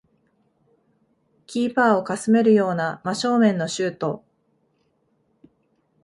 キーパーをかすめるような真正面のシュート